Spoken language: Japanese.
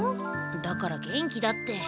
だから元気だって。